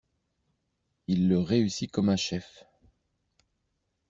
Il le réussit comme un chef.